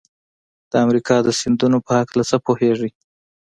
د امریکا د سیندونو په هلکه څه پوهیږئ؟